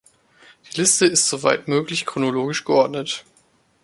Die Liste ist soweit möglich chronologisch geordnet.